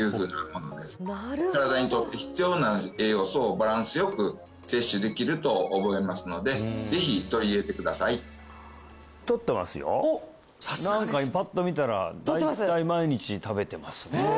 身体にとって必要な栄養素をバランスよく摂取できると思いますのでぜひ取り入れてくださいとってますよ何かパッと見たら大体毎日食べてますねへえ